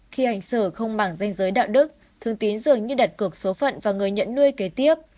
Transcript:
khi hành xử không bảng danh giới đạo đức thương tín dường như đặt cực số phận vào người nhận nuôi kế tiếp